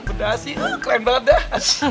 berdasi keren banget deh